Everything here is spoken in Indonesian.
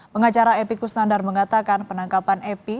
pengacara epy kusnandar mengatakan penangkapan epy